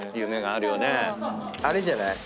あれじゃない？